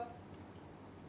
kalau nyelundup baju boleh